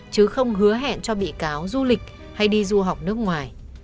chứ không hứa hẹn cho bị cáo du lịch hay đi du học nước ngoài